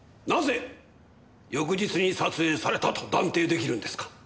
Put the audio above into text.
なぜ翌日に撮影されたと断定出来るんですか？